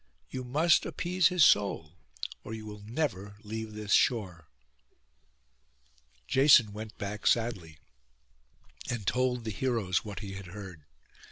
You must appease his soul, or you will never leave this shore.' Jason went back sadly, and told the heroes what he had heard.